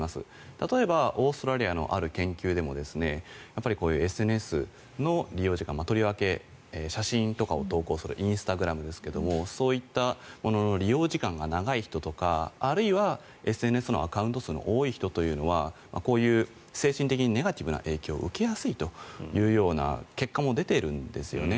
例えばオーストラリアのある研究でもこういうＳＮＳの利用者とりわけ写真とかを投稿するインスタグラムですけどもそういったものの利用時間が長い人とかあるいはＳＮＳのアカウント数の多い人というのはこういう精神的にネガティブな影響を受けやすいというような結果も出ているんですよね。